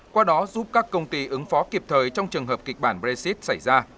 qua đó giúp các công ty ứng phó kịp thời trong trường hợp kịch bản brexit xảy ra